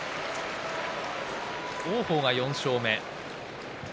王鵬が４勝目。